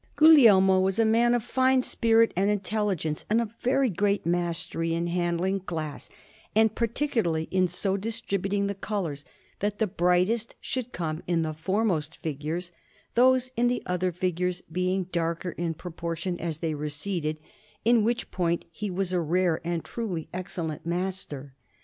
Guglielmo was a man of fine spirit and intelligence, and of very great mastery in handling glass, and particularly in so distributing the colours that the brightest should come in the foremost figures, those in the other figures being darker in proportion as they receded; in which point he was a rare and truly excellent master.